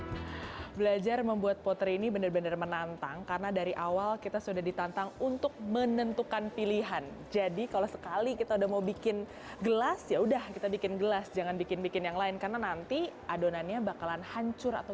kita bisa saja membawa tik unravel jadi berhasil untuk menggeser tim ini bener bener menantang karena dari awal kita sudah ditantang untuk menentukan pilihan jadi kalau sekali kita udah mau bikin gelas ya udah kita bikin gelas jangan bikin bikin yang lain karena nanti adonanya bakalan hancur atau